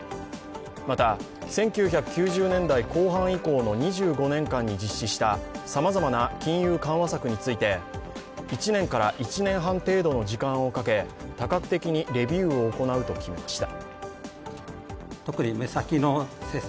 また、１９９０年代後半以降の２５年間に実施したさまざまな金融緩和策について、１年から１年半程度の時間をかけ多角的にレビューを行うと決めました。